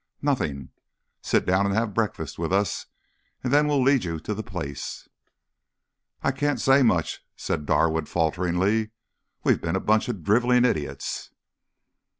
"Nothing. Sit down and have breakfast with us and then we will lead you to the place." "I can't say much," said Darwood falteringly. "We've been a bunch of driveling idiots."